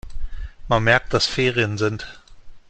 Man merkt, dass Ferien sind.